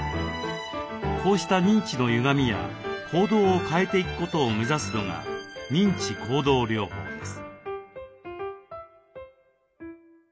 こうした認知のゆがみや行動を変えていくことを目指すのが認知行動療法です。